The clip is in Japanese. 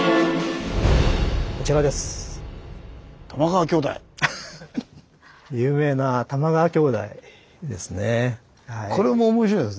こちらです。